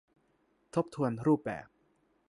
ทบทวนรูปแบบ